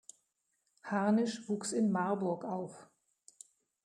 Harnisch wuchs in Marburg auf.